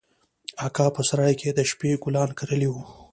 اکا په سراى کښې د شبۍ ګلان کرلي وو.